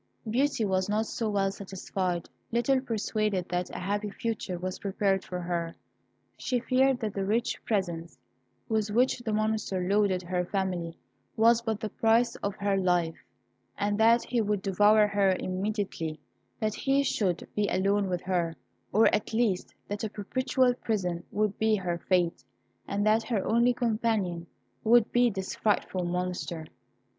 Beauty was not so well satisfied. Little persuaded that a happy future was prepared for her, she feared that the rich presents with which the Monster loaded her family was but the price of her life, and that he would devour her immediately that he should be alone with her, or at least that a perpetual prison would be her fate, and that her only companion would be this frightful Monster.